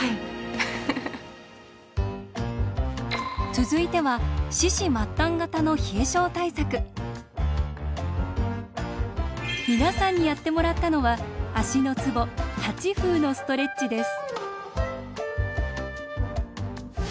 続いては皆さんにやってもらったのは足のツボ八風のストレッチです。